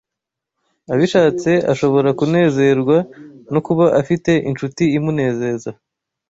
abishatse ashobora kunezezwa no kuba afite incuti imunezeza